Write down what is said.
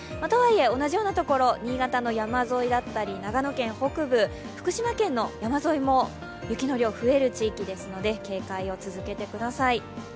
とはいえ、同じような所、新潟の山沿いだったり、長野県北部、福島県の山沿いも雪の量、増える地域ですので警戒を続けてください。